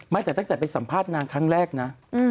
แม้แต่ได้จัดไปสัมภาษณ์นางครั้งแรกนะ